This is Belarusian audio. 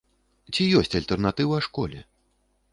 Ці ёсць альтэрнатыва школе?